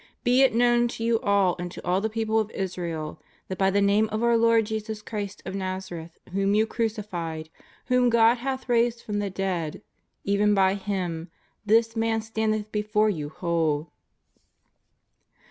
B^ it known to you all and to all the people of Israel, that by the Name of our Lord Jesus Christ of Nazareth whom you crucified, whom God hath raised from the dead, even by Him, this man standeth before you whole."